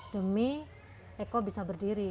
demi eko bisa berdiri